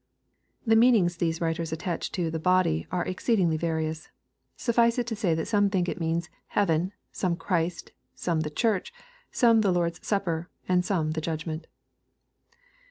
The meanings these writers attach to " the body," are exceed ingly various. Suffice it to say that some think it means "heaven," — some Christ," — some " the Church," — some " the Lord's Sup per," —and some " the judgment."